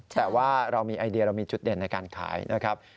แต่ว่าเรามีไอเดียเรามีจุดเด่นในการขายนะครับ